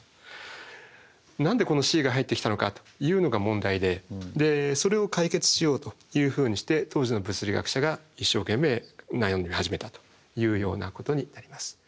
何でこのｃが入ってきたのかというのが問題でそれを解決しようというふうにして当時の物理学者が一生懸命悩み始めたというようなことになります。